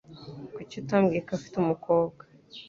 Kuki utambwiye ko afite umukobwa?